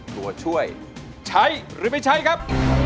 ตัวช่วยใช้หรือไม่ใช้ครับ